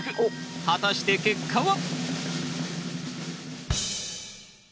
果たして結果は？